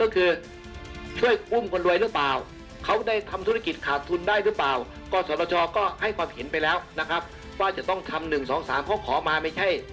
คุณได้หรือเปล่ากศก็ให้ความเห็นไปแล้วนะครับว่าจะต้องทำ๑๒๓เพราะขอมาไม่ใช่